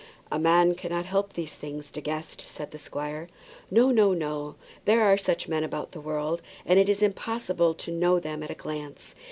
"A man cannot help these things, De Guest," said the squire. "No, no, no! There are such men about the world, and it is impossible to know them at a glance.